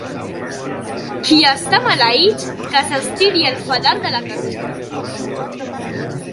Qui està maleït, que s'estiri el faldar de la camisa.